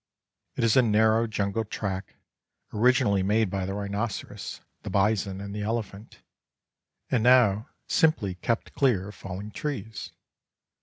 It is a narrow jungle track, originally made by the rhinoceros, the bison, and the elephant, and now simply kept clear of falling trees.